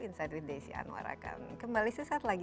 inside with desy anwar akan kembali sesaat lagi